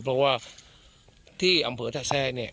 เพราะว่าที่อำเภอท่าแซ่เนี่ย